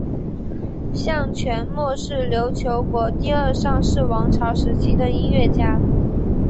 向全谟是琉球国第二尚氏王朝时期的音乐家。